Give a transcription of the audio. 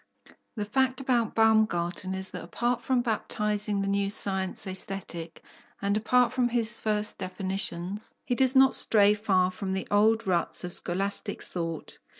The fact about Baumgarten is that apart from baptizing the new science Aesthetic, and apart from his first definitions, he does not stray far from the old ruts of scholastic thought.